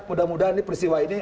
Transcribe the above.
mudah mudahan ini persiwa ini